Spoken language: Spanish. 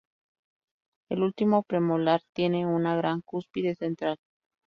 El último premolar tiene una gran cúspide central.